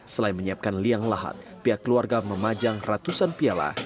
selain menyiapkan liang lahat pihak keluarga memajang ratusan piala